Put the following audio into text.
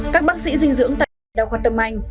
các bác sĩ sinh dưỡng tại đào khoa tâm anh